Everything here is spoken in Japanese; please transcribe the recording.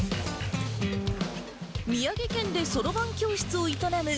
宮城県でそろばん教室を営む